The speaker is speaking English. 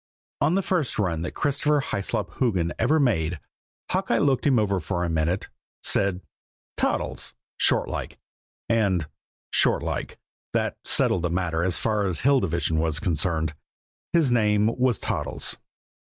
On the first run that Christopher Hyslop Hoogan ever made, Hawkeye looked him over for a minute, said, "Toddles," shortlike and, shortlike, that settled the matter so far as the Hill Division was concerned. His name was Toddles.